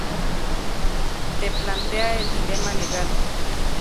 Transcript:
te plantea el dilema legal